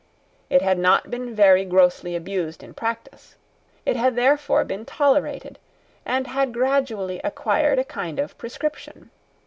It had not been very grossly abused in practice. It had therefore been tolerated, and had gradually acquired a kind of prescription.